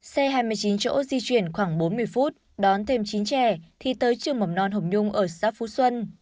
xe hai mươi chín chỗ di chuyển khoảng bốn mươi phút đón thêm chín trẻ thì tới trường mầm non hồng nhung ở xã phú xuân